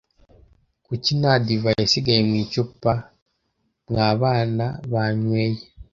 kuki nta divayi isigaye mu icupa? mwa bana banyweye